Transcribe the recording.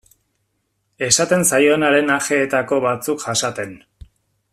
Esaten zaionaren ajeetako batzuk jasaten.